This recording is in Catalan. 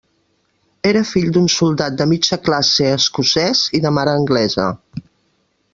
Era fill d'un soldat de mitja classe escocès i de mare anglesa.